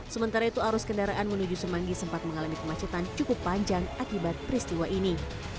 sementara itu arus kendaraan menuju semanggi sempat mengalami kemacetan cukup panjang akibat peristiwa ini